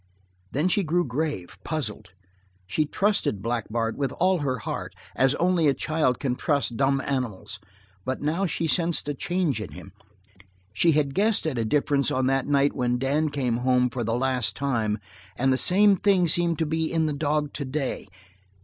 Then she grew grave, puzzled. She trusted Black Bart with all her heart, as only a child can trust dumb animals, but now she sensed a change in him. She had guessed at a difference on that night when Dan came home for the last time; and the same thing seemed to be in the dog today.